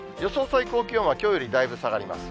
最高気温はきょうよりだいぶ下がります。